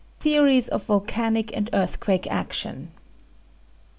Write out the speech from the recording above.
Theories of Volcanic and Earthquake Action.